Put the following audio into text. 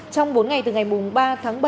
trong bốn ngày từ ngày ba tháng bảy